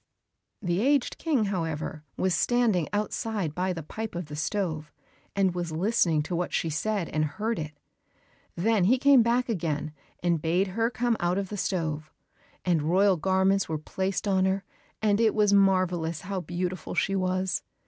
The aged King, however, was standing outside by the pipe of the stove, and was listening to what she said, and heard it. Then he came back again, and bade her come out of the stove. And royal garments were placed on her, and it was marvellous how beautiful she was!